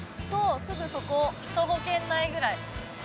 すぐそこで、徒歩圏内くらい。